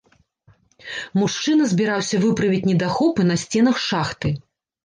Мужчына збіраўся выправіць недахопы на сценах шахты.